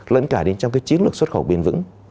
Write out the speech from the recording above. lẫn cả đến trong chiến lược xuất khẩu biên vững